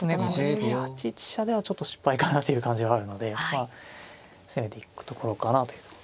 これに８一飛車ではちょっと失敗かなという感じはあるのでまあ攻めていくところかなというところですかね。